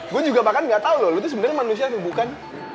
gue juga bahkan gak tahu loh lo itu sebenarnya manusia atau bukan